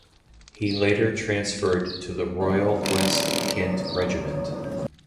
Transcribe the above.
He later transferred to the Royal West Kent Regiment.